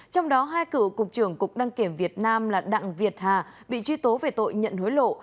trong đó hai cựu cục trưởng cục đăng kiểm việt nam là đặng việt hà bị truy tố về tội nhận hối lộ